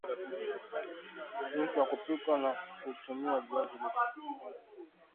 Jinsi ya kupika na kutumia viazi lishe